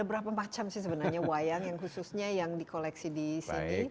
ada berapa macam sih sebenarnya wayang yang khususnya yang dikoleksi di sini